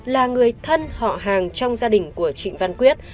là người thân họ hàng trong gia đình của trịnh văn quyết